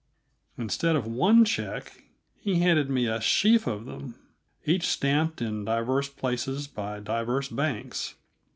Instead of one check, he handed me a sheaf of them, each stamped in divers places by divers banks.